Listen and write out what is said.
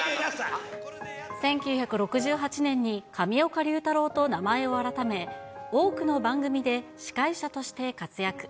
１９６８年に上岡龍太郎と名前を改め、多くの番組で司会者として活躍。